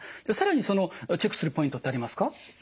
更にチェックするポイントってありますか？